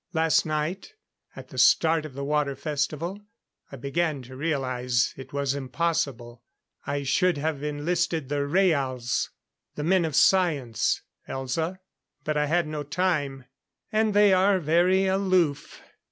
Last night at the start of the Water Festival I began to realize it was impossible. I should have enlisted the Rhaals the men of science, Elza. But I had no time, and they are very aloof.